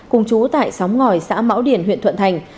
cùng chú tại sóng ngòi xã mão điển huyện thuận thành